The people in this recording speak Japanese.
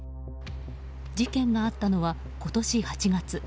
事件があったのは今年８月。